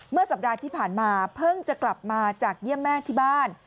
สัปดาห์ที่ผ่านมาเพิ่งจะกลับมาจากเยี่ยมแม่ที่บ้าน